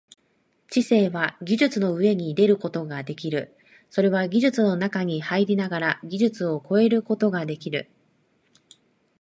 知性は技術の上に出ることができる、それは技術の中に入りながら技術を超えることができる。